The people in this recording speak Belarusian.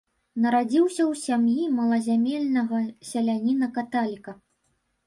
Нарадзіўся ў сям'і малазямельнага селяніна-каталіка.